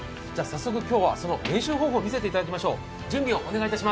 今日はその練習方法を見せていただきましょう。